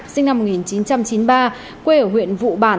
sinh năm một nghìn chín trăm chín mươi ba quê ở huyện vụ bản